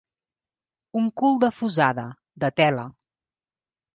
Un cul de fusada, de tela.